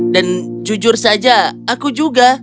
dan jujur saja aku juga